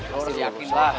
harusnya dia lulus lah